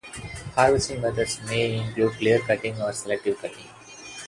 Harvesting methods may include clear cutting or selective cutting.